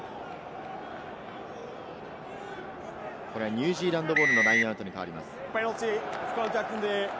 ニュージーランドボールのラインアウトに変わります。